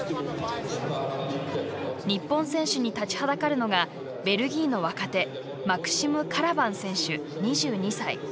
日本選手に立ちはだかるのがベルギーの若手マクシム・カラバン選手、２２歳。